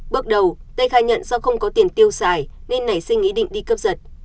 bước đầu t khai nhận do không có tiền tiêu xài nên nảy sinh ý định đi cấp giật